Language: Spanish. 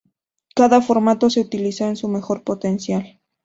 Cada formato se utilizó en su mejor potencial.